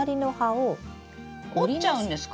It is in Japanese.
折っちゃうんですか？